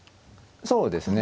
そうですね。